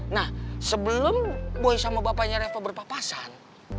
nah sebelum boy sama bapaknya revo berpapasan